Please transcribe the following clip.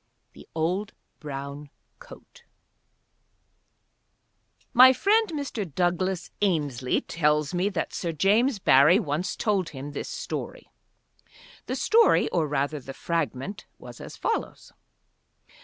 THE OLD BROWN COAT My friend, Mr. Douglas Ainslie, tells me that Sir James Barrie once told him this story. The story, or rather the fragment, was as follows.